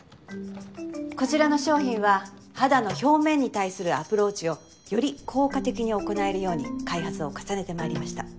こちらの商品は肌の表面に対するアプローチをより効果的に行えるように開発を重ねてまいりました。